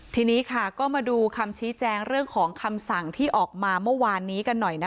ทีนี้ค่ะก็มาดูคำชี้แจงเรื่องของคำสั่งที่ออกมาเมื่อวานนี้กันหน่อยนะคะ